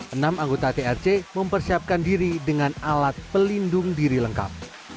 enam anggota trc mempersiapkan diri dengan alat pelindung diri lengkap